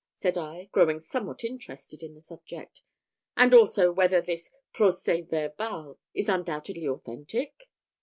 said I, growing somewhat interested in the subject; "and also, whether this procès verbal is undoubtedly authentic?"